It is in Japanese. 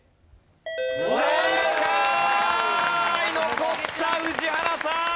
残った宇治原さん！